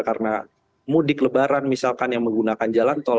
karena mudik lebaran misalkan yang menggunakan jalan tol